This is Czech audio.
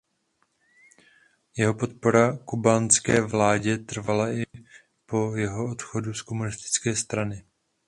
Jeho podpora kubánské vládě trvala i po jeho odchodu z Komunistické strany.